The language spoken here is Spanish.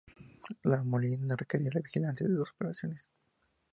La molienda requería la vigilancia de dos operarios.